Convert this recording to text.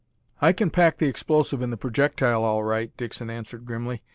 "I can pack the explosive in the projectile, all right," Dixon answered grimly.